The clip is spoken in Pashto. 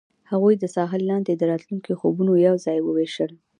هغوی د ساحل لاندې د راتلونکي خوبونه یوځای هم وویشل.